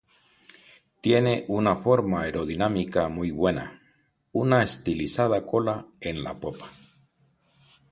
Tiene una forma aerodinámica muy buena, una estilizada cola en la popa.